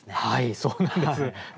はいそうなんです。